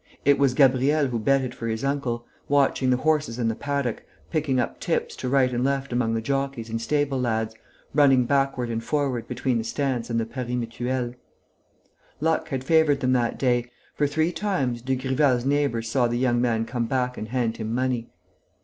It was Gabriel who betted for his uncle, watching the horses in the paddock, picking up tips to right and left among the jockeys and stable lads, running backward and forward between the stands and the pari mutuel. Luck had favoured them that day, for, three times, Dugrival's neighbours saw the young man come back and hand him money.